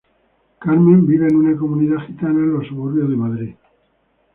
Carmen vive en una comunidad gitana en los suburbios de Madrid.